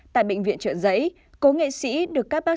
tại bệnh viện trợ giấy cú nghệ sĩ được các bác sĩ chăm sóc